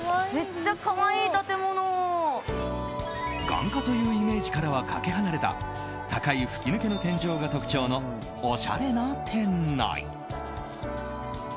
眼科というイメージからはかけ離れた高い吹き抜けの天井が特徴のおしゃれな店内。